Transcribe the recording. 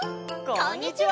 こんにちは！